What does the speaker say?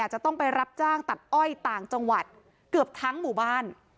จะต้องไปรับจ้างตัดอ้อยต่างจังหวัดเกือบทั้งหมู่บ้าน